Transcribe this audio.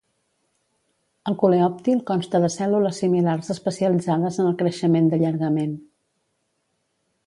El coleòptil consta de cèl·lules similars especialitzades en el creixement d'allargament.